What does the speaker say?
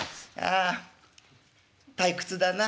「ああ退屈だな。